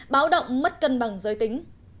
báo động mất cân bằng giới tính